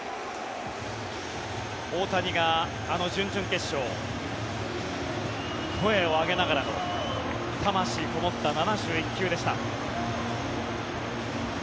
大谷があの準々決勝声を上げながらの魂こもった７１球でした。